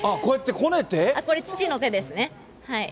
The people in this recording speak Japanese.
これ、父の手ですね。